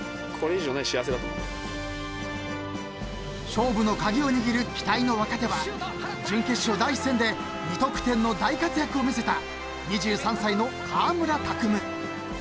［勝負の鍵を握る期待の若手は準決勝第１戦で２得点の大活躍を見せた］